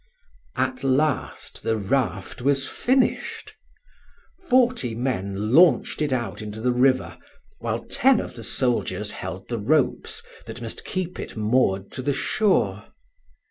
At last the raft was finished. Forty men launched it out into the river, while ten of the soldiers held the ropes that must keep it moored to the shore.